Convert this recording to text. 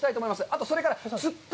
あと、それから釣って。